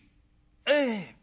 「ええ。